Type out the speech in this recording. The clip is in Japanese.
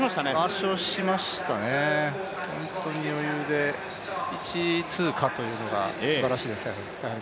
圧勝しましたね、本当に余裕で、１位通過というのがすばらしいですけれども。